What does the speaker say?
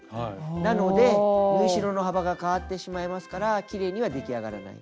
なので縫い代の幅が変わってしまいますからきれいには出来上がらない。